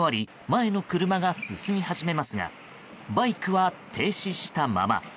前の車が進み始めますがバイクは停止したまま。